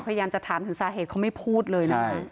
พยายามจะถามถึงสาเหตุเขาไม่พูดเลยนะคะ